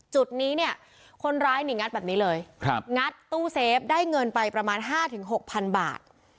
จุดนี้เนี่ยคนร้ายหนีงัดแบบนี้เลยครับงัดตู้เซฟได้เงินไปประมาณห้าถึงหกพันบาท